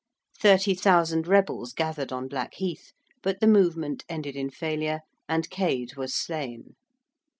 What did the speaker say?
30,000 rebels gathered on Blackheath, but the movement ended in failure and Cade was slain.